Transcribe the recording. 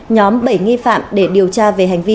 nhóm bảy nghi phạm để điều tra về hành vi